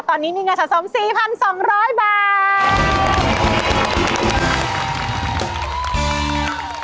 ตอนนี้มีเงินสะสม๔๒๐๐บาท